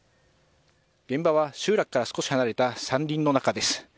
現場は集落から少し離れた山林の中です。